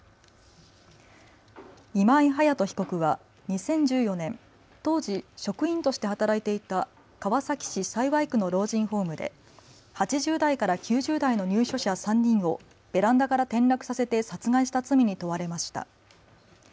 今井隼人被告は２０１４年、当時職員として働いていた川崎市幸区の老人ホームで８０代から９０代の入所者３人をベランダから転落させて殺害した罪に問われました。